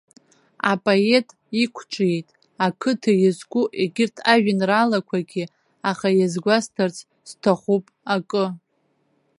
Апоет иқәҿиеит ақыҭа иазку егьырҭ ажәеинраалақәагьы, аха иазгәасҭарц сҭахуп акы.